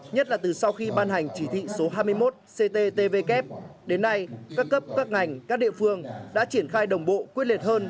nhất là từ sau khi ban hành chỉ thị số hai mươi một cttvk đến nay các cấp các ngành các địa phương đã triển khai đồng bộ quyết liệt hơn